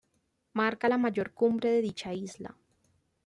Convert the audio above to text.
Marca la mayor cumbre de dicha isla.